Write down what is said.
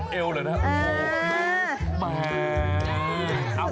นัดเอวเลยนะโอ้โหมา